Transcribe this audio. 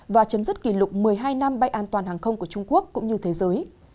và chấm dứt kỷ lục một mươi hai năm bay an toàn hàng không của trung quốc cũng như thế giới